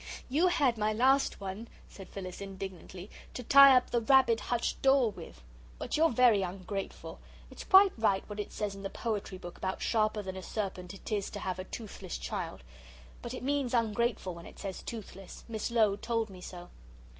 "You had my last one," said Phyllis, indignantly, "to tie up the rabbit hutch door with. But you're very ungrateful. It's quite right what it says in the poetry book about sharper than a serpent it is to have a toothless child but it means ungrateful when it says toothless. Miss Lowe told me so."